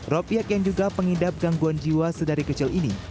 ropiak yang juga pengidap gangguan jiwa sedari kecil ini